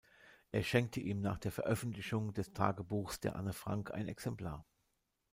Er schenkte ihm nach der Veröffentlichung des Tagebuchs der Anne Frank ein Exemplar.